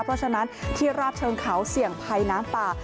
เพราะฉะนั้นที่ราบเชิงเขาเสี่ยงภัยน้ำป่า